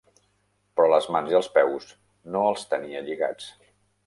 Però les mans i els peus no els tenia lligats.